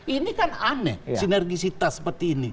ini kan aneh sinergisitas seperti ini